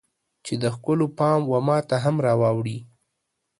چې د ښکلو پام و ماته هم راواوړي